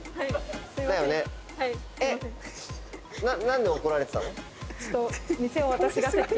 何で怒られてたの？